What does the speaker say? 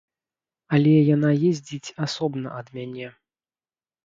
Але яна ездзіць асобна ад мяне.